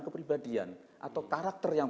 kepribadian atau karakter yang